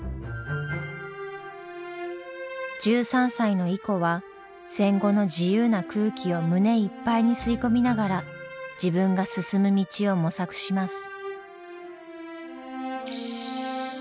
１３歳のイコは戦後の自由な空気を胸いっぱいに吸い込みながら自分が進む道を模索します。